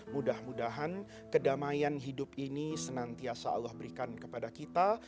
mudah mudahan kedamaian hidup ini senantiasa allah berikan kepada kita